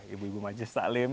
ibu ibu majestah alim